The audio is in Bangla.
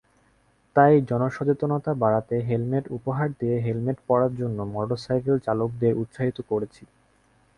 তাই জনসচেতনতা বাড়াতে হেলমেট উপহার দিয়ে হেলমেট পরার জন্য মোটরসাইকেলচালকদের উৎসাহিত করেছি।